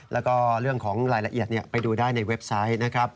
แล้วก็เรื่องของรายละเอียดไปดูได้ในเว็บไซต์นะครับ